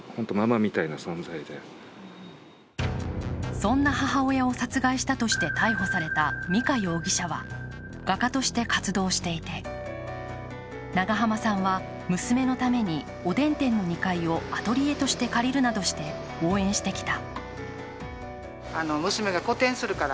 そんな母親を殺害したとして逮捕された美香容疑者は、画家として活動していて長濱さんは娘のためにおでん店の２階をアトリエとして借りるなどして応援してきた。